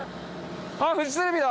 あっフジテレビだ。